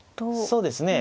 そうですね。